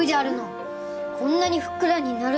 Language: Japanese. こんなにふっくらになるのであるか。